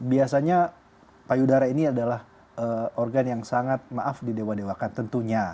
biasanya payudara ini adalah organ yang sangat maaf didewa dewakan tentunya